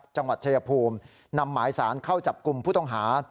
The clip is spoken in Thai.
จังหวัดชายภูมินำหมายสารเข้าจับกลุ่มผู้ต้องหา